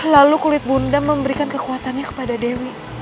lalu kulit bunda memberikan kekuatannya kepada dewi